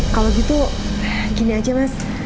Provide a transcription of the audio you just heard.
kalau gitu gini aja mas